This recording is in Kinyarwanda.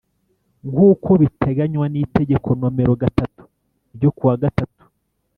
Nk uko biteganywa n itegeko Nomero gatatu ryo ku wa gatatu